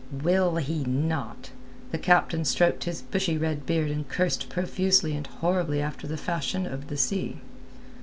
"Will he not?" The captain stroked his bushy red beard and cursed profusely and horribly after the fashion of the sea.